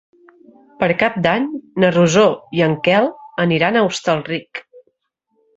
Per Cap d'Any na Rosó i en Quel aniran a Hostalric.